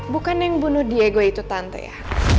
bukan yang bunuh diego itu tante ya